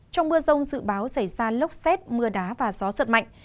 trong mưa rông dự báo xảy ra lốc xét mưa đá và gió giật mạnh